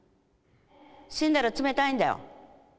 死んだら冷たいんだよ。